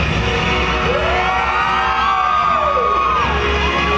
เมื่อเวลาอันดับสุดท้ายมันกลายเป้าหมายเป้าหมาย